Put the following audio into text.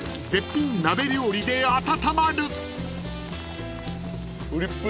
絶品鍋料理で温まる］